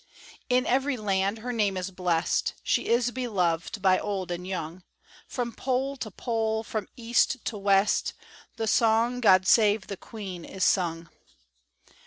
In every land, her name is blest; She is beloved by old and young; From pole to pole, from east to west, The song, "God save the Queen," is sung.